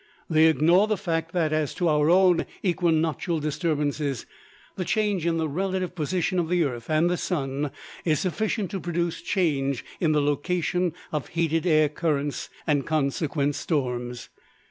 They ignore the fact that as to our own equinoctial disturbances, the change in the relative position of the earth and sun is sufficient to produce change in the location of heated air currents and consequent storms.